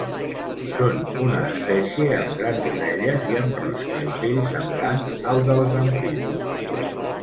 Són una espècie amb grans orelles i amb rostre i pell semblant al dels amfibis.